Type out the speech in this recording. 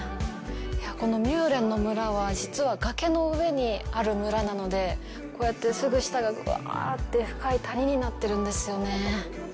このミューレンの村は実は崖の上にある村なのでこうやってすぐ下がうわって深い谷になってるんですよね。